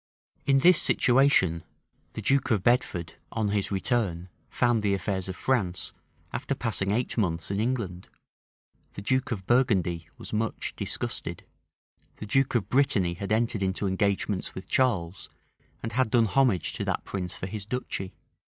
{1426.} In this situation, the duke of Bedford, on his return, found the affairs of France, after passing eight months in England. The duke of Burgundy was much disgusted. The duke of Brittany had entered into engagements with Charles, and had done homage to that prince for his duchy.